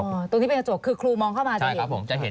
ตรงนี้เป็นกระจกคือครูมองเข้ามาจะเห็น